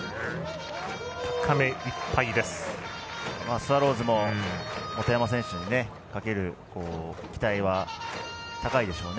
スワローズも元山選手にかける期待は高いでしょうね。